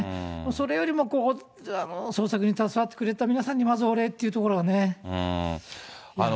それよりも捜索に携わってくれた皆さんにまずお礼っていうところがね。